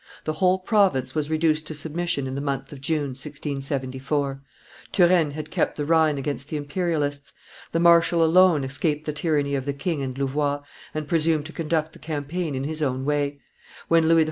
The whole province was reduced to submission in the month of June, 1674. Turenne had kept the Rhine against the Imperialists; the marshal alone escaped the tyranny of the king and Louvois, and presumed to conduct the campaign in his own way; when Louis XIV.